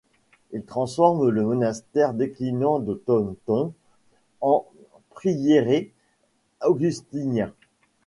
Il transforme le monastère déclinant de Taunton en prieuré augustiniens.